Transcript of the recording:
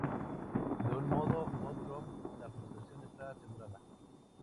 De un modo u otro, la frustración está asegurada.